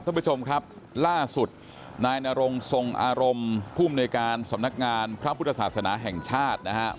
ท่านผู้ชมครับล่าสุดนายนรงทรงอารมณ์ภูมิในการสำนักงานพระพุทธศาสนาแห่งชาตินะครับ